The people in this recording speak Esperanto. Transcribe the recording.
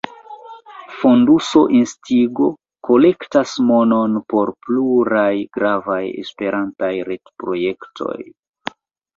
Fonduso Instigo kolektas monon por pluraj gravaj Esperantaj retprojektoj.